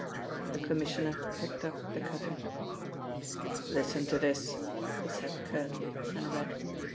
The Commissioner picked up the cutting. "Listen to this," he said curtly, and read.